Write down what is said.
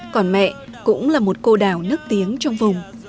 còn mẹ cũng là một cô đào nức tiếng trong vùng